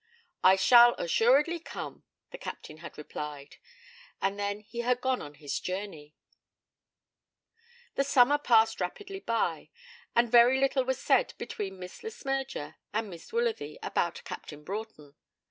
'I shall assuredly come,' the Captain had replied, and then he had gone on his journey. The summer passed rapidly by, and very little was said between Miss Le Smyrger and Miss Woolsworthy about Captain Broughton.